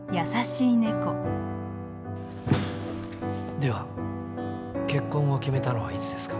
では結婚を決めたのはいつですか？